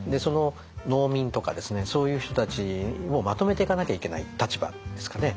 農民とかそういう人たちをまとめていかなきゃいけない立場ですかね